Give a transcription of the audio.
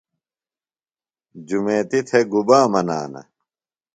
جُمیتی تھےۡ گُبا منانہ؟